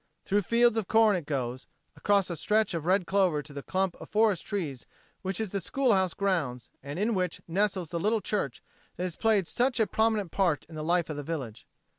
Through fields of corn it goes, across a stretch of red clover to the clump of forest trees which is the schoolhouse grounds and in which nestles the little church that has played such a prominent part in the life of the village.